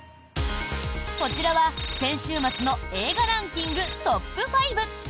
こちらは先週末の映画ランキングトップ５。